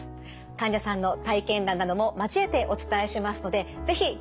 患者さんの体験談なども交えてお伝えしますので是非ご覧ください。